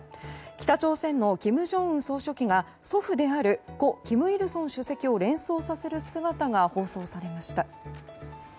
北朝鮮の金正恩総書記が祖父である故・金日成主席を連想させる姿が放送されました。